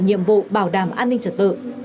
nhiệm vụ bảo đảm an ninh trật tự